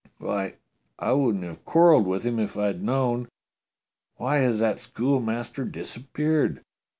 Why, I wouldn't have quarrelled with him if I'd known. Why has that schoolmaster disappeared?